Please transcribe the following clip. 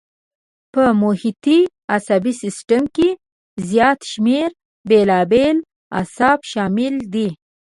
په محیطي عصبي سیستم کې زیات شمېر بېلابېل اعصاب شامل دي.